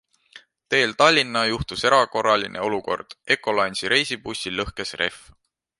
Teel Tallinna juhtus erakorraline olukord - Ecolines'i reisibussil lõhkes rehv.